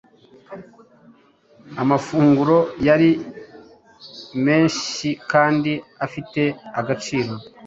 Amafunguro yari menshikandi afite agaciro